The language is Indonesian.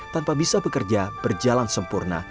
tanpa bisa bekerja berjalan sempurna